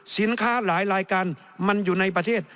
สินค้าหลายรายการมันอยู่ในประเทศ